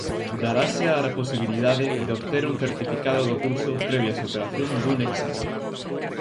Darase a posibilidade de obter un certificado do curso previa superación dun exame.